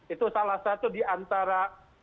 itu salah satu diantara